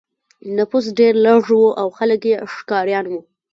نفوس ډېر لږ و او خلک یې ښکاریان وو.